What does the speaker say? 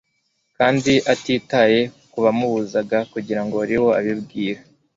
kandi atitaye ku bamubuzaga kugira Liwo abibwira,